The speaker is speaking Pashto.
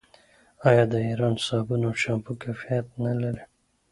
آیا د ایران صابون او شامپو کیفیت نلري؟